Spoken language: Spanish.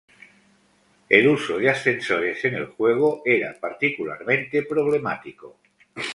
El uso de ascensores en el juego era particularmente problemático.